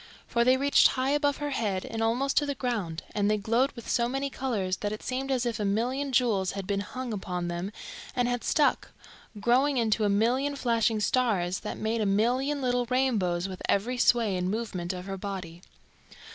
For they reached high above her head and almost to the ground, and they glowed with so many colours that it seemed as if a million jewels had been Hung upon them and had stuck, growing into a million flashing stars that made a million little rainbows with every sway and movement of her body.